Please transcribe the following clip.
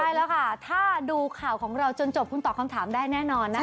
ใช่แล้วค่ะถ้าดูข่าวของเราจนจบคุณตอบคำถามได้แน่นอนนะคะ